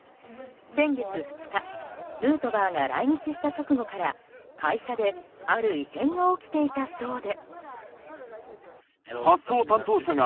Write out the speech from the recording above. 先月２日ヌートバーが来日した直後から会社である異変が起きていたそうで。